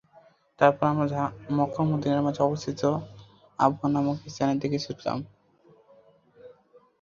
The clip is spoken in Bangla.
তারপর আমরা মক্কা ও মদীনার মাঝে অবস্থিত আবওয়া নামক স্থানের দিকে ছুটলাম।